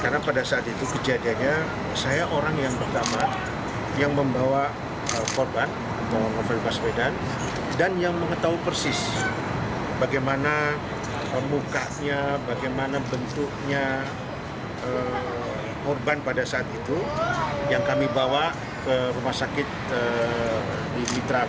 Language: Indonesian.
karena pada saat itu kejadiannya saya orang yang pertama yang membawa korban novel baswedan dan yang mengetahui persis bagaimana mukanya bagaimana bentuknya korban pada saat itu yang kami bawa ke rumah sakit di mitra